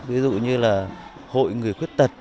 ví dụ như là hội người khuyết tật